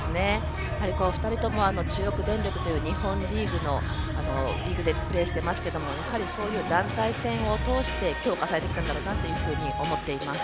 ２人とも中国電力という日本リーグでプレーしてますけどそういう団体戦を通して強化をしてきたんだろうなと思います。